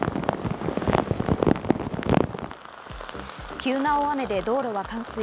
急な大雨で道路は冠水。